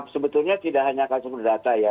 sebetulnya tidak hanya kasus perdata ya